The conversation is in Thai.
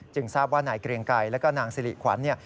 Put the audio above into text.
จึงทราบว่านายเกรียงไกรและก็นางสริขวัญ